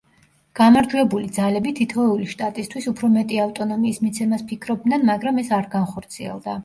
გამარჯვებული ძალები თითოეული შტატისთვის უფრო მეტი ავტონომიის მიცემას ფიქრობდნენ, მაგრამ ეს არ განხორციელდა.